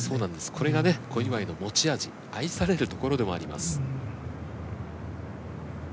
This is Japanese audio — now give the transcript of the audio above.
これがね小祝の持ち味愛されるところでもあります。